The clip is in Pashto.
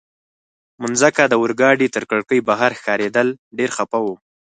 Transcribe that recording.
مځکه د اورګاډي تر کړکۍ بهر ښکارېدل، ډېر خفه وم.